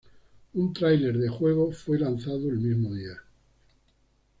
Un tráiler de juego fue lanzado el mismo día.